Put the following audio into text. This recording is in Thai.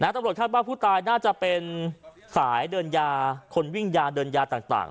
ตำรวจคาดว่าผู้ตายน่าจะเป็นสายเดินยาคนวิ่งยาเดินยาต่าง